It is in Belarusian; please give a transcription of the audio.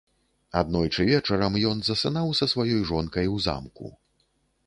Аднойчы вечарам ён засынаў са сваёй жонкай у замку.